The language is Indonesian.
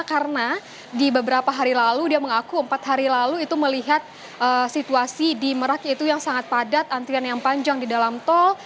karena di beberapa hari lalu dia mengaku empat hari lalu itu melihat situasi di meraki itu yang sangat padat antrian yang panjang di dalam tol